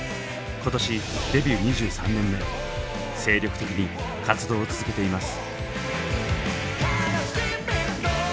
今年デビュー２３年目精力的に活動を続けています。